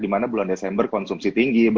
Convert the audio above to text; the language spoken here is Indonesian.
di mana bulan desember konsumsi tinggi